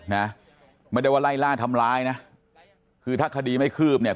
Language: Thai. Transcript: นะไม่ได้ว่าไล่ล่าทำร้ายนะคือถ้าคดีไม่คืบเนี่ย